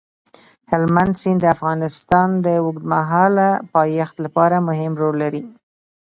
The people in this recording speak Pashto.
هلمند سیند د افغانستان د اوږدمهاله پایښت لپاره مهم رول لري.